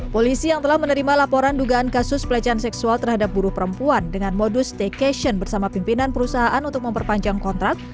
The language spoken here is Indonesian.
polisi yang telah menerima laporan dugaan kasus pelecehan seksual terhadap buruh perempuan dengan modus staycation bersama pimpinan perusahaan untuk memperpanjang kontrak